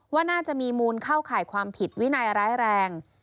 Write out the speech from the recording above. ว่าน่าจะมีมูลเข้าข่ายความผิดวินัยร้ายแรง